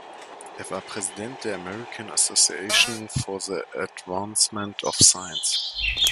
Er war Präsident der American Association for the Advancement of Science.